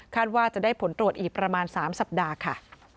ว่าจะได้ผลตรวจอีกประมาณ๓สัปดาห์ค่ะ